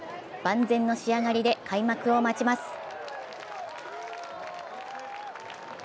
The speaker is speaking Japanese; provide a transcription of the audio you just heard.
万全の仕上がりで開幕を待ちます。